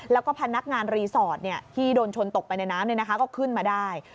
แล้วก็พนักงานรีสอร์ทที่โดนชนตกไปในน้ำก็ขึ้นมาได้